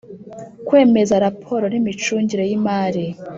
Kwemeza raporo n imicungire y imari